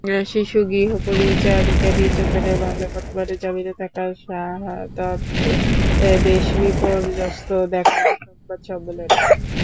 শিশু গৃহপরিচারিকা নির্যাতনের মামলায় বর্তমানে জামিনে থাকা শাহাদাতকে বেশ বিপর্যস্ত দেখাল সংবাদ সম্মেলনে।